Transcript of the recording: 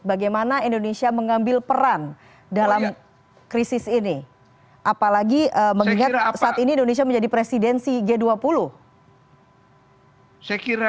bagaimana indonesia mengambil peran dalam krisis ini